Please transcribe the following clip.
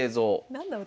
何だろう